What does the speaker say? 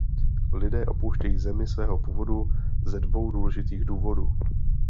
Lidé opouštějí zemi svého původu ze dvou důležitých důvodů.